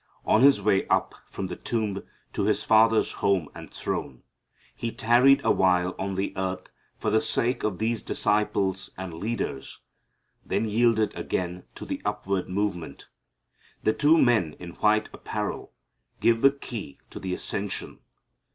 On His way up from the tomb to His Father's home and throne, He tarried awhile on the earth for the sake of these disciples and leaders, then yielded again to the upward movement. The two men in white apparel give the key to the ascension.